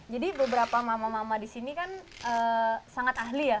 jadi beberapa mama mama di sini kan sangat ahli ya